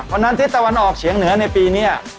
เพราะฉะนั้นทิศตะวันออกเฉียงเหนือในปีนี้